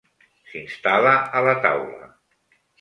S'instal·la a la taula.